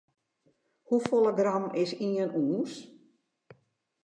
Hoefolle gram is ien ûns?